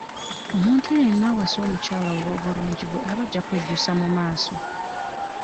Omuntu yenna awasa omukyala olw'obulungi bwe aba ajja kwejjusa mu maaso.